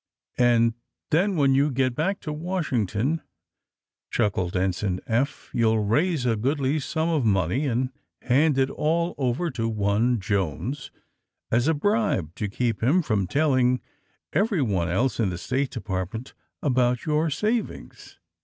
^*And then, when you get back to Washing ton," chuckled Ensign Eph, * ^you'll raise a goodly sum of money and hand it all over to one Jones as a bribe to keep him from telling every one else in the State Department about your savings.